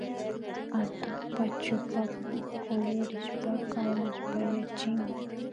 Atukpa chupa kuyurishpaka muspayachin